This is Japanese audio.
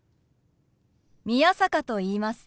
宮坂と言います。